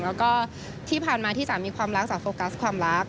แล้วก็ที่ผ่านมาที่สามีความรักสาโฟกัสความรัก